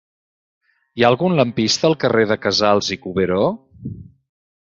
Hi ha algun lampista al carrer de Casals i Cuberó?